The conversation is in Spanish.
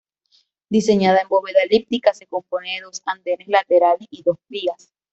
Diseñada en bóveda elíptica, se compone de dos andenes laterales y dos vías.